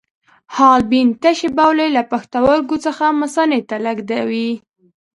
حالبین تشې بولې له پښتورګو څخه مثانې ته لیږدوي.